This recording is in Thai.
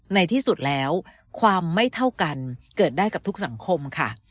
ในที่สุดแล้วความไม่เท่ากันเกิดได้กับทุกสังคมค่ะ